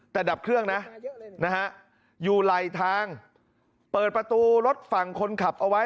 แต่ดับเครื่องนะนะฮะอยู่ไหลทางเปิดประตูรถฝั่งคนขับเอาไว้